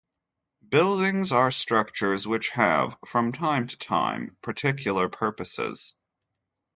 Buildings are structures which have, from time to time, particular purposes.